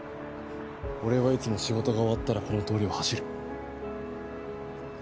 俺はいつも仕事が終わったらこの通りを走る。